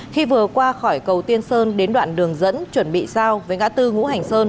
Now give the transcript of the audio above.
khi vừa qua khỏi cầu tiên sơn đến đoạn đường dẫn chuẩn bị sao với ngã tư ngũ hành sơn